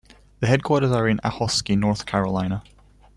The headquarters are in Ahoskie, North Carolina.